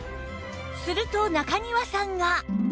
すると中庭さんが